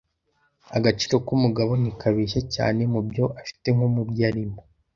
Agaciro k'umugabo ntikabeshya cyane mubyo afite nko mubyo arimo.